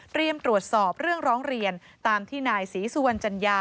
ตรวจสอบเรื่องร้องเรียนตามที่นายศรีสุวรรณจัญญา